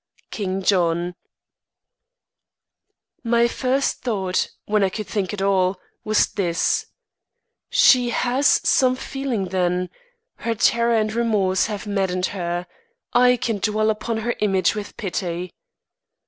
King John. My first thought (when I could think at all) was this: "She has some feeling, then! Her terror and remorse have maddened her. I can dwell upon her image with pity."